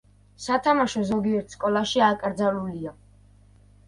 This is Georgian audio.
სათამაშო ზოგიერთ სკოლაში აკრძალულია.